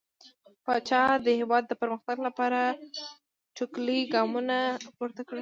پاچا د هيواد د پرمختګ لپاره ټوکلي ګامونه پورته کړل .